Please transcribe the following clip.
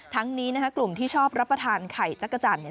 ทั้งนี้กลุ่มที่ชอบรับประทานไข่จักรจันทร์